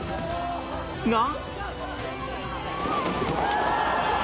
が。